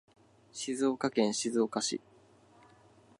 静岡県静岡市